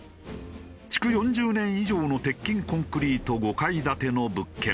築４０年以上の鉄筋コンクリート５階建ての物件。